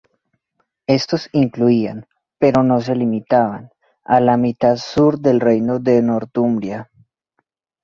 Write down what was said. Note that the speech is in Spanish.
Estos incluían, pero no se limitaban, a la mitad sur del Reino de Northumbria.